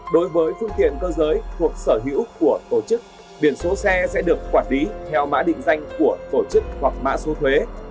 đối với phương tiện cơ giới thuộc sở hữu của tổ chức biển số xe sẽ được quản lý theo mã định danh của tổ chức hoặc mã số thuế